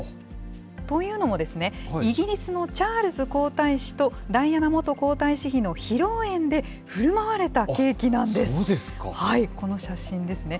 というのも、イギリスのチャールズ皇太子とダイアナ元皇太子妃の披露宴でふるそうですか。